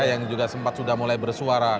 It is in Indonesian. yang juga sempat sudah mulai bersuara